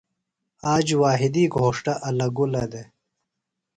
آج واجدی گھوݜٹہ الہ گُلہ دےۡ۔